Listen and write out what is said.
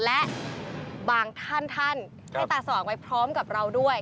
และบางท่านท่านให้ตาสว่างไว้พร้อมกับเราด้วย